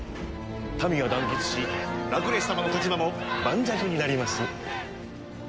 民は団結しラクレス様の立場も盤石になります。